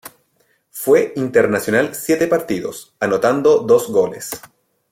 Fue internacional siete partidos, anotando dos goles.